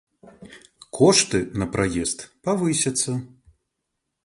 Кошты на праезд павысяцца.